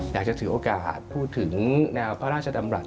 อยากจะถือโอกาสพูดถึงแนวพระราชดำรัฐ